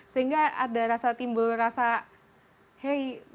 sehingga ada timbul rasa hey gimana kalau kita bisa apa nih do something gitu